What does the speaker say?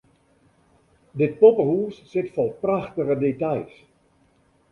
Dit poppehûs sit fol prachtige details.